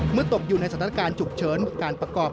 เมื่อตกอยู่ที่สถานการณ์ฉุบเฉินการประกอบ